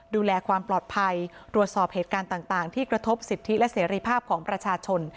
ดูแลความปลอดภัยตรวจสอบเหตุการณ์ต่างที่กระทบสิทธิและเสรีภาพของประชาชน